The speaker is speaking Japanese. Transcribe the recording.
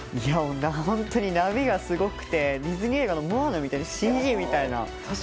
本当に波がすごくてディズニー映画の「モアナ」みたいなＣＧみたいな。